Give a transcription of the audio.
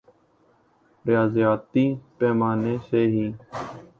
ریاضیاتی پیمانے سے ہی